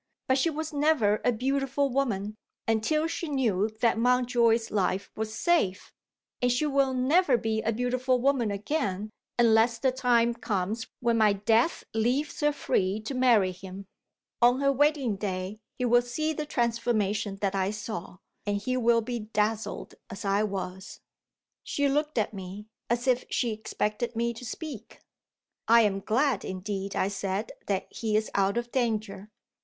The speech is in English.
But she was never a beautiful woman, until she knew that Mountjoy's life was safe; and she will never be a beautiful woman again, unless the time comes when my death leaves her free to marry him. On her wedding day, he will see the transformation that I saw and he will be dazzled as I was. She looked at me, as if she expected me to speak. "I am glad indeed," I said, "that he is out of danger."